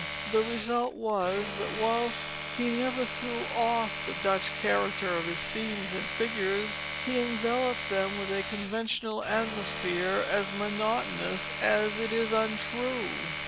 The result was, that whilst he never threw off the Dutch character of his scenes and figures, he enveloped them with a conventional atmosphere as monotonous as it is untrue.